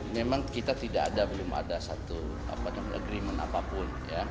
memang kita tidak ada belum ada satu agreement apapun